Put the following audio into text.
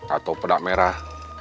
atau pedak merah